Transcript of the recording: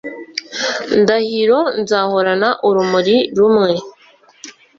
ndahiro nzahorana urumuri rumwe